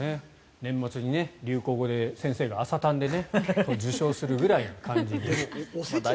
年末に流行語で先生が朝たんで受賞するぐらいの感じに。